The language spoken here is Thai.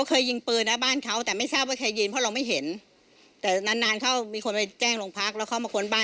คิดว่าอาจจะไม่เต็มหรือว่าแกล้งบ้าก็ได้